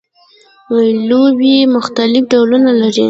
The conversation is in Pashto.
لوبیې مختلف ډولونه لري